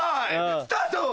スタート！